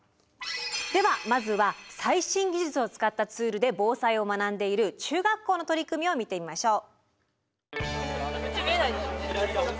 ではまずは最新技術を使ったツールで防災を学んでいる中学校の取り組みを見てみましょう。